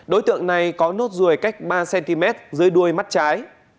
đối tượng này có nốt ruồi cách ba cm dưới đuôi mắt trái